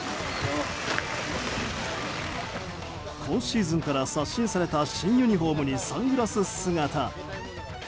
今シーズンから刷新された新ユニホームにサングラス姿。